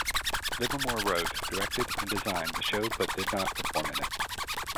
Livermore wrote, directed and designed the show but did not perform in it.